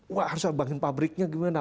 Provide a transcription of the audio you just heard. wah harus ngembangin pabriknya gimana